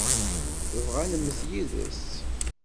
Tebɣa ad nemmet yid-s.